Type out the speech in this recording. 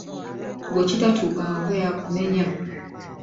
Gwe kitatuukangako y’akunenya.